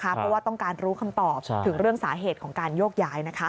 เพราะว่าต้องการรู้คำตอบถึงเรื่องสาเหตุของการโยกย้าย